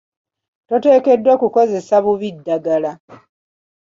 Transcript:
Toteekeddwa kukozesa bubi ddagala.